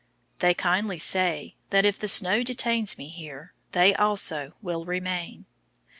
They kindly say that if the snow detains me here they also will remain.